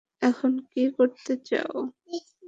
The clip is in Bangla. এখন কি করতে চাও?